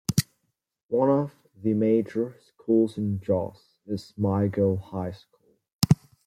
One of the major schools in Jos is Maygo High School.